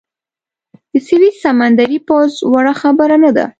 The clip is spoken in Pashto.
د سویس سمندري پوځ وړه خبره نه ده.